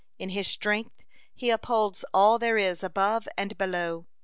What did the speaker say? In His strength He upholds all there is above and below.